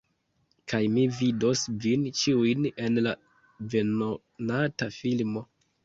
Kaj mi vidos vin ĉiujn en la venonata filmo.